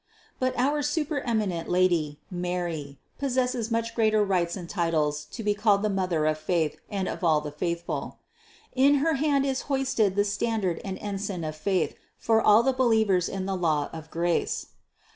502. But our supereminent Lady, Alary, possesses much greater rights and titles to be called the Mother of 386 CITY OF GOD faith and of all the faithful. In her hand is hoisted the standard and ensign of faith for all the believers in the law of grace.